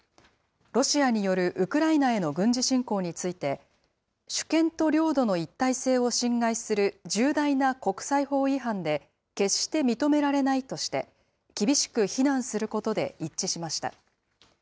ロシアによるウクライナへの軍事侵攻について、主権と領土の一体性を侵害する重大な国際法違反で、決して認められないとして、厳しく非難することで一致しました。